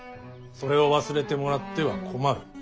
それを忘れてもらっては困る。